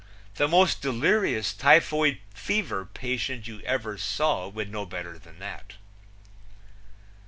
The most delirious typhoid fever patient you ever saw would know better than that.